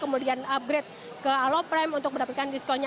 kemudian upgrade ke aloprime untuk mendapatkan diskonnya